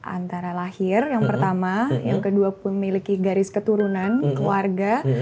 antara lahir yang pertama yang kedua pun miliki garis keturunan keluarga